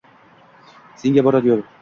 senga borar yoʼl